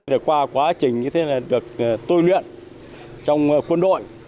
để qua quá trình như thế này được tuyên luyện trong quân đội